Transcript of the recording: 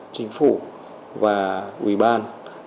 chính phủ và ủy ban